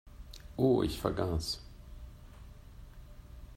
Oh, ich vergaß.